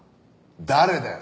誰だよ？